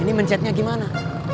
ini mencetnya gimana